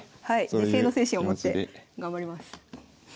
自省の精神を持って頑張ります。